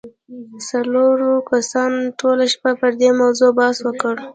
څلورو کسانو ټوله شپه پر دې موضوع بحث وکړ